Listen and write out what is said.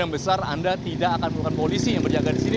yang besar anda tidak akan melakukan polisi yang berjaga di sini